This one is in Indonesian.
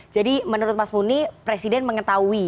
jadi menurut mas muni presiden mengetahui